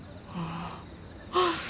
ああ。